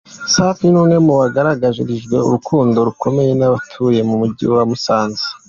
Safi ni umwe mu bagaragarijwe urukundo rukomeye n’abatuye mu Mujyi wa Musanze.